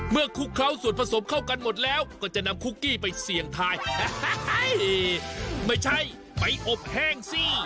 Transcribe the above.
คลุกเคล้าส่วนผสมเข้ากันหมดแล้วก็จะนำคุกกี้ไปเสี่ยงทายไม่ใช่ไปอบแห้งสิ